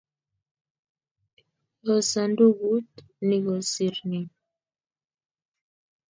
Yoo sandukut ni kosir nin